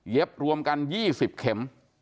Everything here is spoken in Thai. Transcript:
เย็บรวมกัน๒๐เข็ม